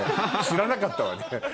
知らなかったわね。